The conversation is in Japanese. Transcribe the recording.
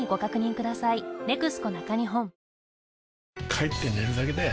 帰って寝るだけだよ